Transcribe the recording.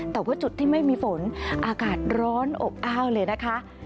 แต่ว่าจุดที่ไม่มีฝนอากาศร้อนอบอ้าวเลยนะคะ